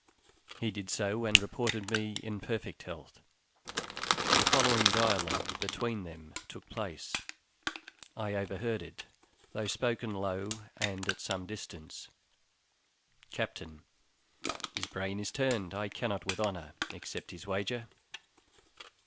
He did so, and reported me in perfect health. The following dialogue between them took place; I overheard it, though spoken low and at some distance: Captain. His brain is turned; I cannot with honor accept his wager.